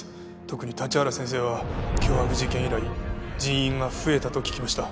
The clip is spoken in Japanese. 特に立原先生は脅迫事件以来人員が増えたと聞きました。